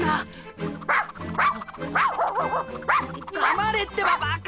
黙れってばバカ！